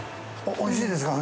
◆おいしいですよ。